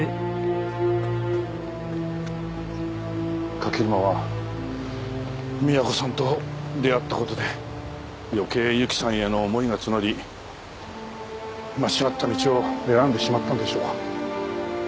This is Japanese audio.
柿沼はみな子さんと出会った事で余計ゆきさんへの思いが募り間違った道を選んでしまったんでしょうか？